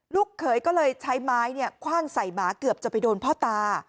เขยก็เลยใช้ไม้คว่างใส่หมาเกือบจะไปโดนพ่อตา